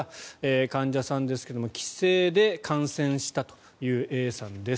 患者さんですが帰省で感染したというＡさんです。